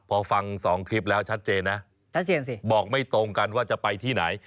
พอฟังสองคลิปแล้วชัดเจนนะชัดเจนสิบอกไม่ตรงกันว่าจะไปที่ไหน